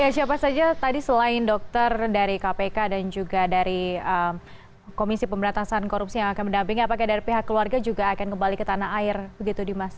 siapa saja tadi selain dokter dari kpk dan juga dari komisi pemberantasan korupsi yang akan mendampingi apakah dari pihak keluarga juga akan kembali ke tanah air begitu dimas